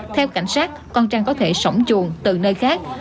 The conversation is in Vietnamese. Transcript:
theo cảnh sát con trăng có thể sổng chuồn từ nơi khác